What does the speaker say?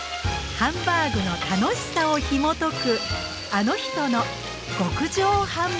ハンバーグの楽しさをひもとく